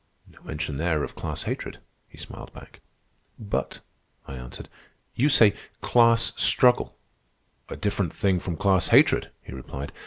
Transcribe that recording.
"No mention there of class hatred," he smiled back. "But," I answered, "you say 'class struggle.'" "A different thing from class hatred," he replied.